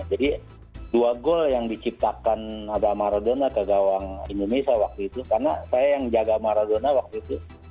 jadi dua gol yang diciptakan ada maradona ke gawang indonesia waktu itu karena saya yang jaga maradona waktu itu